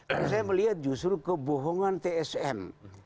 karena saya melihat justru kebohongan tsm